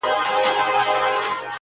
جهاني زما په قسمت نه وو دا ساعت لیکلی.!